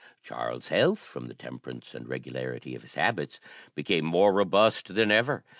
Charles's health, from the temperance and regularity of his habits, became more robust than ever.